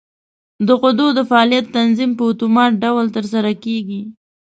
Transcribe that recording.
د غدو د فعالیت تنظیم په اتومات ډول تر سره کېږي.